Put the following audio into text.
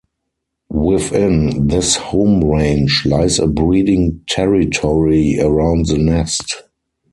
Within this home range lies a breeding territory around the nest.